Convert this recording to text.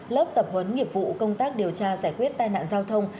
lớp tập huấn nghiệp vụ công tác điều tra giải quyết tai nạn giao thông